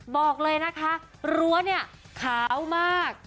บอกเลยนะคะรั้วเนี่ยขาวมาก